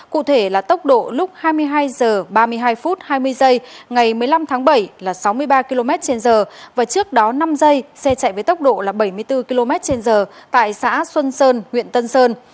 cụ thể là tốc độ lúc hai mươi hai h ba mươi hai hai mươi ngày một mươi năm tháng bảy là sáu mươi ba kmh và trước đó năm giây xe chạy với tốc độ là bảy mươi bốn kmh tại xã xuân sơn huyện tân sơn